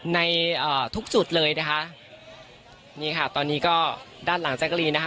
ในอ่าทุกจุดเลยนะคะนี่ค่ะตอนนี้ก็ด้านหลังแจ๊กรีนนะคะ